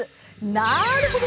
なるほど！